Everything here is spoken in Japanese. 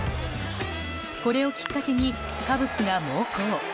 これをきっかけにカブスが猛攻。